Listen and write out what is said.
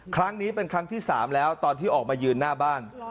ครั้งนี้เป็นครั้งที่๓แล้วตอนที่ออกมายืนหน้าบ้าน